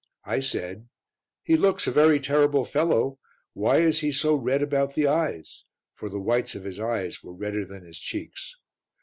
I said "He looks a very terrible fellow. Why is he so red about the eyes?" for the whites of his eyes were redder than his cheeks.